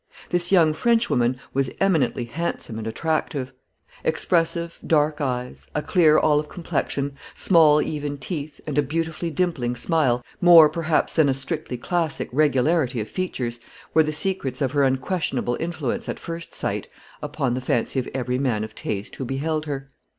This young Frenchwoman was eminently handsome and attractive. Expressive, dark eyes, a clear olive complexion, small even teeth, and a beautifully dimpling smile, more perhaps than a strictly classic regularity of features, were the secrets of her unquestionable influence, at first sight, upon the fancy of every man of taste who beheld her.